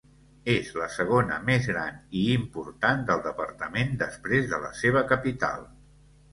És la segona més gran i important del departament, després de la seva capital.